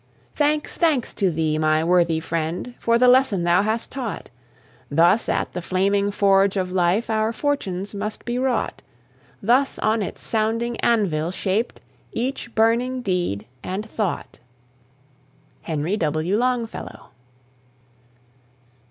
Thanks, thanks to thee, my worthy friend, For the lesson thou hast taught! Thus at the flaming forge of life Our fortunes must be wrought; Thus on its sounding anvil shaped Each burning deed and thought. HENRY W. LONGFELLOW.